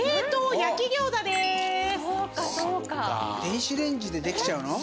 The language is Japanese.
電子レンジでできちゃうの？